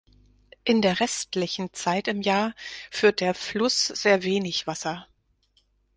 In der restlichen Zeit im Jahr führt der Fluss sehr wenig Wasser.